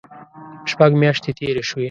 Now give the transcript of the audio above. شپږ میاشتې تېرې شوې.